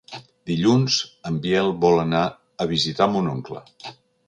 Dilluns en Biel vol anar a visitar mon oncle.